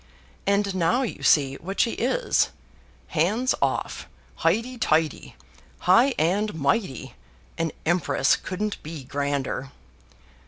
And now you see what she is hands off, highty tighty, high and mighty, an empress couldn't be grander.